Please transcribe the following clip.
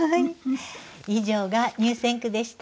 以上が入選句でした。